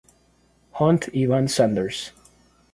Hund y Van Sanders.